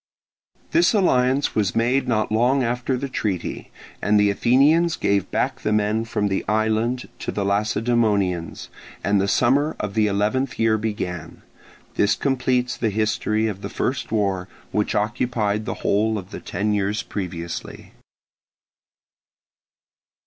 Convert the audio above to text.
This alliance was made not long after the treaty; and the Athenians gave back the men from the island to the Lacedaemonians, and the summer of the eleventh year began. This completes the history of the first war, which occupied the whole of the ten years previously.